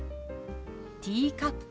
「ティーカップ」。